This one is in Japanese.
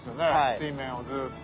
水面をずっと。